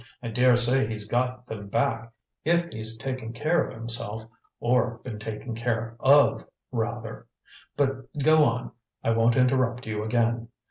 "I dare say he's got them back if he's taken care of himself, or been taken care OF, rather! But go on; I won't interrupt you again.